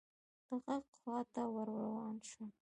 د ږغ خواته ور روان شوم .